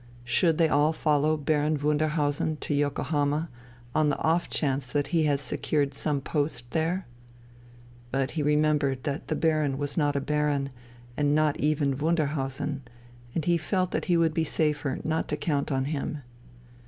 Should they all follow Baron Wunderhausen to Yokohama on the off chance that he has secured some post there ? But he remembered that the Baron was not a baron, and not even Wunderhausen, and he felt that he would be safer not to count on him.